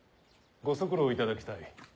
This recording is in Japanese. ご足労いただきたい。